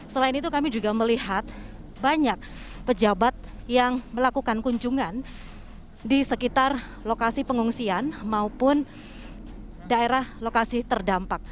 selain itu kami juga melihat banyak pejabat yang melakukan kunjungan di sekitar lokasi pengungsian maupun daerah lokasi terdampak